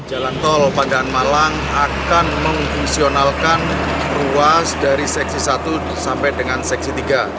jalan tol pandaan malang akan memfungsionalkan ruas dari seksi satu sampai dengan seksi tiga